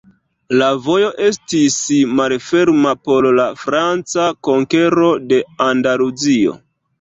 La vojo estis malferma por la franca konkero de Andaluzio.